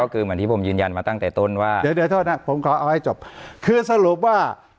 แพ้ชนตีก็อ่าเรื่องว่ามันอยากพูดอย่างนี้แหละ